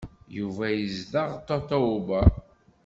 Yuba izdeɣ Tatoeba!